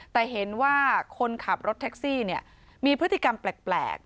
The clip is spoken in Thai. แต่เห็นว่าคนขับรถแท็กซี่มีพฤติกรรมแปลก